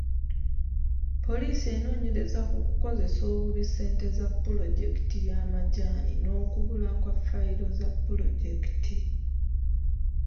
Poliisi enoonyereza ku kukozesa obubi ssente za pulojekiti y'amajaani n'okubula kwa ffayiro za pulojekiti.